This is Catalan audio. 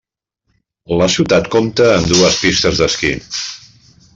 La ciutat compta amb dues pistes d'esquí.